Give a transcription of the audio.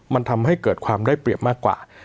มันทำให้เกิดความได้เปรียบมากกว่า